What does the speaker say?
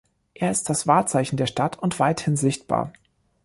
Er ist das Wahrzeichen der Stadt und weithin sichtbar.